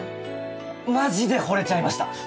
マジで惚れちゃいました。